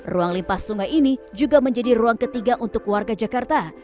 ruang limpah sungai ini juga menjadi ruang ketiga untuk warga jakarta